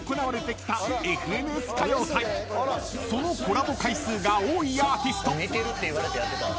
［そのコラボ回数が多いアーティスト］